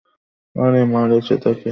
আরে, মার এসে তাকে।